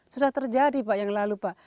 sudah terjadi pak yang lalu pak